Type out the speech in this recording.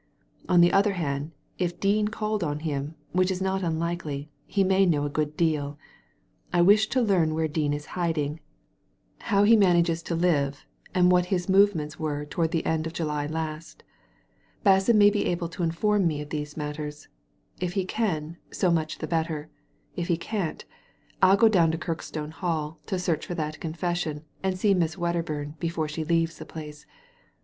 " On the other hand, if Dean called on him, which is not unlikely, he may know a good deal I i^ish to learn where Dean is hiding ; how he manages Digitized by Google i62 THE LADY FROM NOWHERE to live ; and what his movements were towards the end of July last. Basson may be able to inform me of these matters If he can, so much the better ; if he can't, ril go down to Kirkstone Hall to search for that confession, and see Miss Wedderbum before she leaves the place.